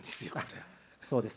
そうです。